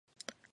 とても疲れた